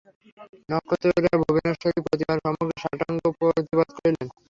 নক্ষত্ররায় ভুবনেশ্বরী-প্রতিমার সম্মুখে সাষ্টাঙ্গ প্রণিপাত করিলেন।